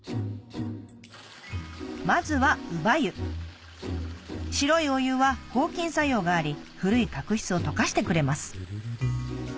まずは白いお湯は抗菌作用があり古い角質を溶かしてくれます